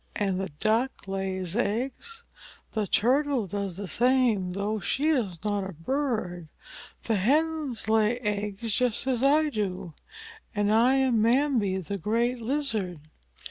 And the Duck lays eggs. The Turtle does the same, though she is no bird. The Hen lays eggs, just as I do; and I am Mbambi, the great Lizard.